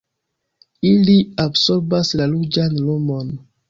Ili absorbas la ruĝan lumon.